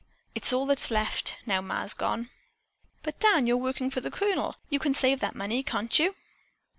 It's all that's left, now Ma's gone." "But, Dan, if you're working for the Colonel, you can save that money, can't you?"